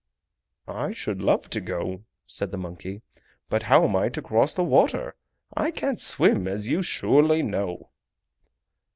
"I should love to go," said the monkey, "but how am I to cross the water! I can't swim, as you surely know!"